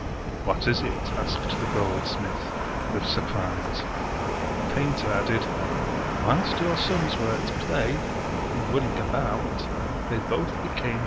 " What is it? " asked the goldsmith with surprise. The painter added, " Whilst your sons were at play, and running about, they both be came